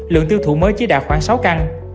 lượng tiêu thụ mới chỉ đạt khoảng sáu căn